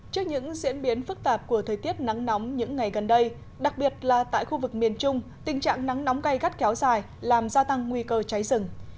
trước những diễn biến phức tạp của thời tiết nắng nóng những ngày gần đây đặc biệt là tại khu vực miền trung tình trạng nắng nóng gây gắt kéo dài làm gia tăng nguy cơ cháy rừng